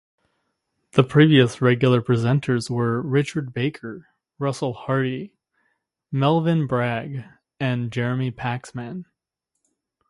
The previous regular presenters were Richard Baker, Russell Harty, Melvyn Bragg and Jeremy Paxman.